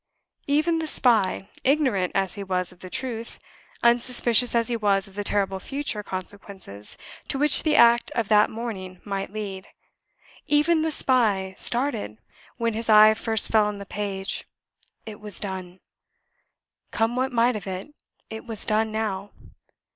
Even the spy ignorant as he was of the truth, unsuspicious as he was of the terrible future consequences to which the act of that morning might lead even the spy started, when his eye first fell on the page. It was done! Come what might of it, it was done now.